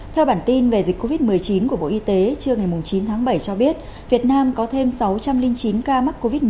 theo bản tin về dịch covid một mươi chín của bộ y tế trưa ngày chín tháng bảy cho biết việt nam có thêm sáu trăm linh chín ca mắc covid một mươi chín